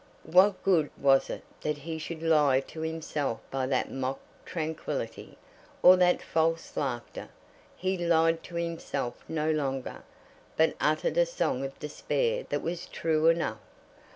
What good was it that he should lie to himself by that mock tranquillity, or that false laughter? He lied to himself no longer, but uttered a song of despair that was true enough.